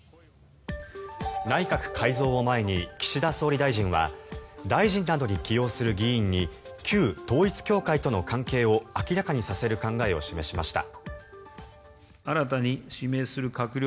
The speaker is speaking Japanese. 内閣改造を前に岸田総理大臣は大臣などに起用する議員に旧統一教会との関係を明らかにさせる考えを示しました。